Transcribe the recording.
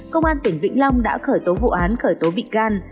công an tỉnh vĩnh long đã khởi tố vụ án khởi tố vị gan